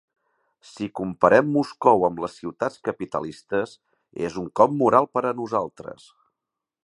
Si comparem Moscou amb les ciutats capitalistes, és un cop moral per a nosaltres.